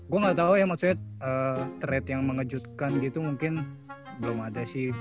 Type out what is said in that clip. gue gak tau ya maksudnya trade yang mengejutkan gitu mungkin belum ada sih